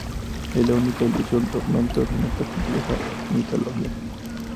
Es la única alusión a tormentos en esa compleja mitología.